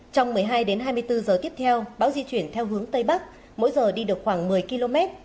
trong một mươi hai đến hai mươi bốn giờ tiếp theo bão di chuyển theo hướng tây bắc mỗi giờ đi được khoảng một mươi km